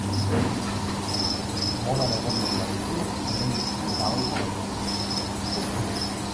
Modan egon nahi baduzu, hemen dituzu aholku batzuk!